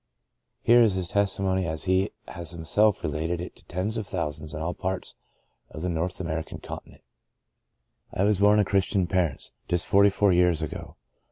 Here is his testimony, as he has himself related it to tens of thousands in all parts of the North American continent : "I was born of Christian parents, just 62 The Breaking of the Bread forty four years ago.